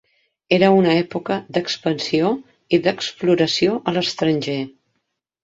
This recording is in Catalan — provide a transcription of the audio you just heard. Era una època d"expansió i d"exploració a l"estranger.